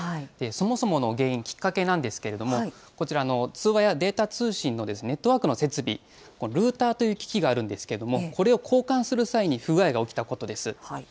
そもそもの原因、きっかけなんですけれども、こちらの通話やデータ通信のネットワークの設備・ルーターという機器があるんですけれども、これを交換する際に不具合が起きたことです。